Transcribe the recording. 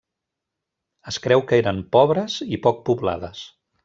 Es creu que eren pobres i poc poblades.